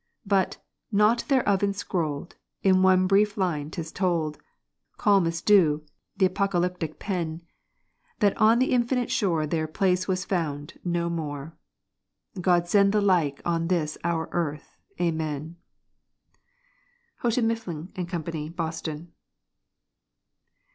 But, naught thereof enscrolled, in one brief line 'tis told (Calm as dew the Apocalyptic Pen), That on the Infinite Shore their place was found no more. God send the like on this our earth! Amen. Copyrighted by Houghton, Mifflin and Company, Boston.